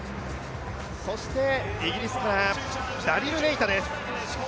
そしてイギリスからダリル・ネイタです。